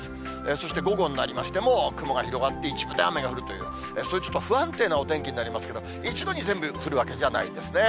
そして午後になりましても、雲が広がって、一部で雨が降るという、そういうちょっと不安定なお天気になりますけど、一度に全部降るわけじゃないですね。